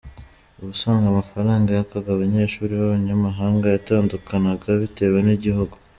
Ubusanzwe amafaranga yakwaga abanyeshuri b’abanyamahanga yatandukanaga bitewe n’igihugu.